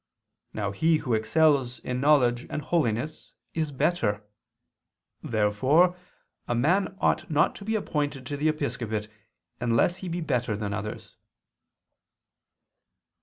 Now he who excels in knowledge and holiness is better. Therefore a man ought not to be appointed to the episcopate unless he be better than others.